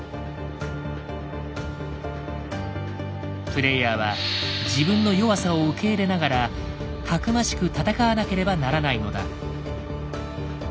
プレイヤーは自分の弱さを受け入れながら逞しく戦わなければならないのだ。